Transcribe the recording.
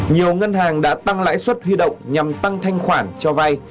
nhiều ngân hàng đã tăng lãi suất huy động nhằm tăng thanh khoản cho vay